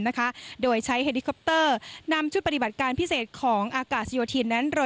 นะคะโดยใช้เฮดคอปเตอร์นำจุดปฏิบัติการพิเศษของอากาศยุทิ